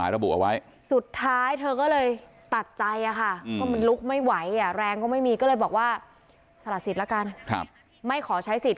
แรงก็ไม่มีก็เลยบอกว่าสละสิทธิ์ละกันครับไม่ขอใช้สิทธิ์